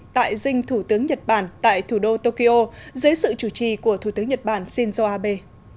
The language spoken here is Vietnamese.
tại dinh thủ tướng nhật bản tại thủ đô tokyo dưới sự chủ trì của thủ tướng nhật bản shinzo abe